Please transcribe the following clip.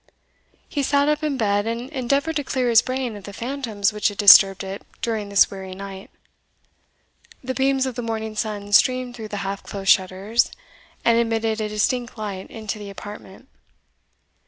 He sate up in bed, and endeavoured to clear his brain of the phantoms which had disturbed it during this weary night. The beams of the morning sun streamed through the half closed shutters, and admitted a distinct light into the apartment.